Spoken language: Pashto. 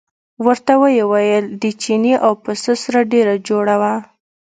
ورته ویې ویل د چیني او پسه سره ډېره جوړه وه.